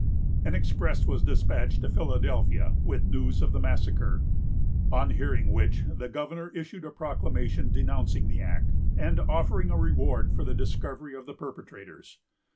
An express was despatched to Philadelphia with news of the massacre; on hearing which, the governor issued a proclamation denouncing the act, and offering a reward for the discovery of the perpetrators.